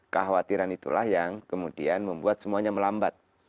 kekhawatiran itulah yang kemudian membuat semuanya melambat